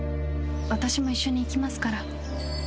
私も一緒に行きますから。